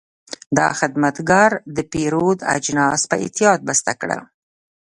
دا خدمتګر د پیرود اجناس په احتیاط بسته کړل.